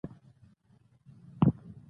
سپرم د رحم ټوټه څنګه پېژني.